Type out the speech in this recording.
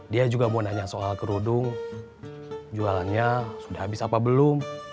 dia juga mau nanya soal kerudung jualannya sudah habis apa belum